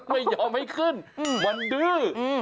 ไม่ยอมให้ขึ้นมันดื้อ